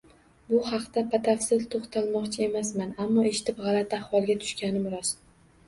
Bu haqda batafsil to`xtalmoqchi emasman, ammo eshitib g`alati ahvolga tushganim rost